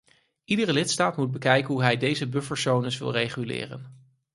Iedere lidstaat moet bekijken hoe hij deze bufferzones wil reguleren.